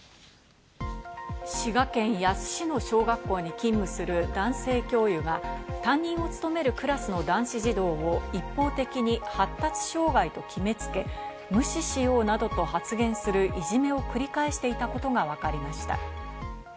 滋賀県野洲市の小学校に勤務する男性教諭が、担任を務めるクラスの男子児童を一方的に発達障害と決めつけ、無視しようなどと発言するいじめを繰り返していたことがわかりました。